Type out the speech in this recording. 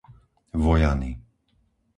Vojany